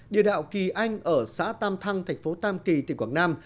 địa đạo kỳ anh ở xã tam thăng thành phố tam kỳ tỉnh quảng nam